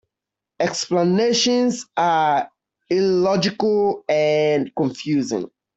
Explanations are illogical and confusing.